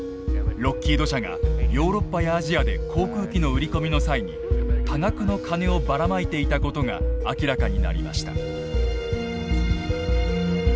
ロッキード社がヨーロッパやアジアで航空機の売り込みの際に多額の金をばらまいていた事が明らかになりました。